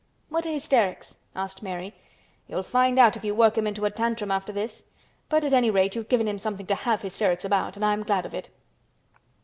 "What are hysterics?" asked Mary. "You'll find out if you work him into a tantrum after this—but at any rate you've given him something to have hysterics about, and I'm glad of it."